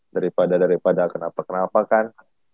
daripada daripada kenapa kenapa kan